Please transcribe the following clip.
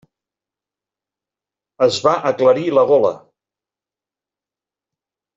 Es va aclarir la gola.